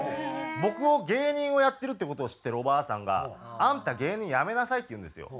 僕を芸人をやってるって事を知ってるおばあさんが「あんた芸人辞めなさい」って言うんですよ。